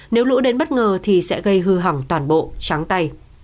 nếu lũ đến bất ngờ thì sẽ gây hư hỏng toàn bộ tráng tay